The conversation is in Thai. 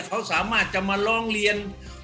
เขาสามารถจะมาร้องเรียน